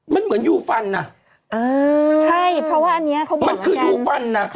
มันเหมือนยูฟันน่ะอ่าใช่เพราะว่าอันนี้เขาบอกมันคือยูฟันน่ะ